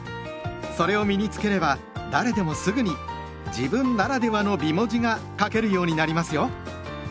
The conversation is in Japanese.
それを身に付ければ誰でもすぐに「自分ならではの美文字」が書けるようになりますよ。